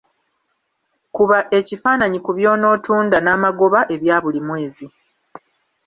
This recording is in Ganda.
Kuba ekifaananyi ku by’onootunda n’amagoba ebya buli mwezi.